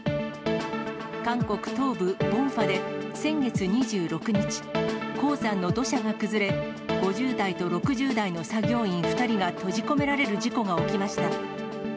韓国東部ボンファで先月２６日、鉱山の土砂が崩れ、５０代と６０代の作業員２人が閉じ込められる事故が起きました。